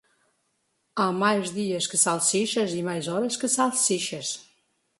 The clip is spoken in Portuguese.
Há mais dias que salsichas e mais horas que salsichas.